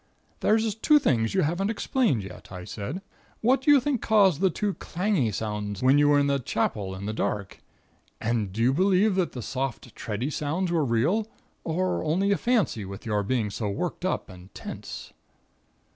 "There's two things you haven't explained yet," I said. "What do you think caused the two clangey sounds when you were in the Chapel in the dark? And do you believe the soft tready sounds were real, or only a fancy, with your being so worked up and tense?"